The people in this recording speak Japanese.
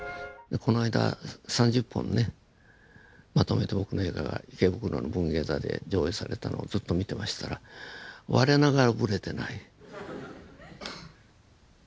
この間３０本ねまとめて僕の映画が池袋の文芸坐で上映されたのをずっと見てましたら我ながらブレてない。